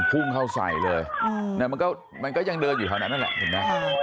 พุ่งเข้าใส่เลยแต่มันก็ยังเดินอยู่เท่านั้นแหละ